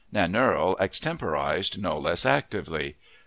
Nannerl extemporized no less actively.